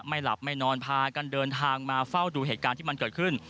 หลับไม่นอนพากันเดินทางมาเฝ้าดูเหตุการณ์ที่มันเกิดขึ้น